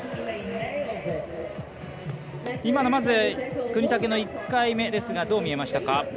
今の國武の１回目ですがどう見えましたか？